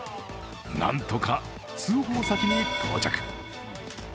なんとか通報先に到着。